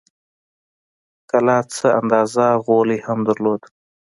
کلا څه اندازه غولی هم درلود.